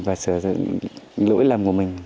và sửa sửa những lỗi lầm của mình